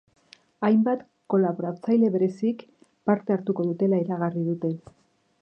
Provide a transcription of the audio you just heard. Hainbat kolaboratzaile berezik parte hartuko dutela iragarri dute.